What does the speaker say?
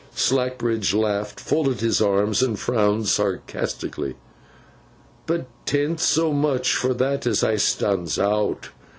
Slackbridge laughed, folded his arms, and frowned sarcastically. 'But 't an't sommuch for that as I stands out.